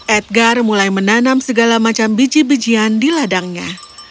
edgar mulai menanam segala macam biji bijian di ladangnya